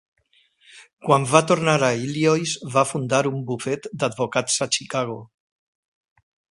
Quan va tornar a Illiois, va fundar un bufet d'advocats a Chicago.